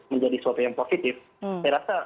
menjadi sesuatu yang positif saya rasa